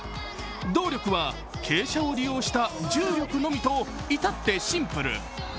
動力は傾斜を利用した重力のみと、至ってシンプル。